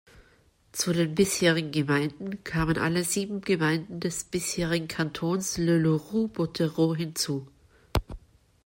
Zu den bisherigen Gemeinden kamen alle sieben Gemeinden des bisherigen Kantons Le Loroux-Bottereau hinzu.